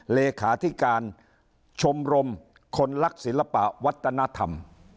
เลขาที่การชมรมคนลักษณ์ศิลปะวัตนธรรม